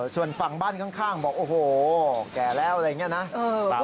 ส่วนฝั่งบ้านข้างบอกโอ้โหแก่แล้วอะไรอย่างนี้นะ